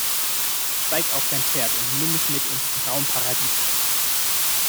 Steig auf dein Pferd und nimm mich mit ins Traumparadisland.